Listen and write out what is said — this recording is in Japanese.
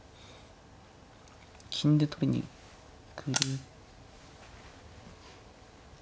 金で取りに来る。